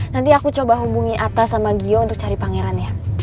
nanti aku coba hubungi atta sama gio untuk cari pangeran ya